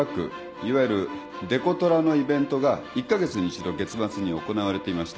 いわゆるデコトラのイベントが１カ月に１度月末に行われていました。